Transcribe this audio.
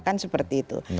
kan seperti itu